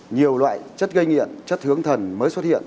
nhiều loại chất gây nghiện chất hướng thần mới xuất hiện